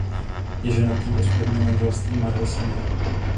Je ženatý a z prvního manželství má dva syny.